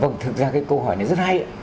vâng thực ra cái câu hỏi này rất hay